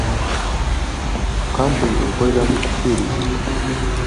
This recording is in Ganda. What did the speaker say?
Kkampuni ekolera mu kufiirizibwa.